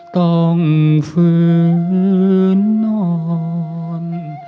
ต้องฝืนนอน